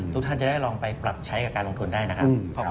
ทุกท่านจะได้ลองไปปรับใช้กับการลงทุนได้นะครับ